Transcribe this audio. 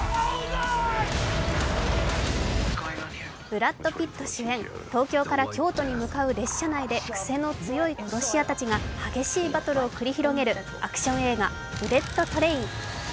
ブラッド・ピット主演、東京から京都に向かう列車内で癖の強い殺し屋たちが激しいバトルを繰り広げるアクション映画「ブレット・トレイン」。